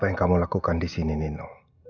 apa yang kamu lakukan disini nino